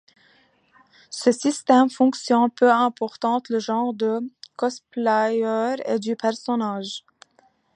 Ce système fonctionne peu importe le genre du cosplayeur et du personnage.